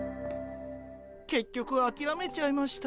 けっきょくあきらめちゃいました。